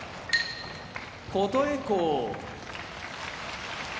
琴恵光